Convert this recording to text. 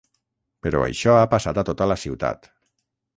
Però això ha passat a tota la ciutat.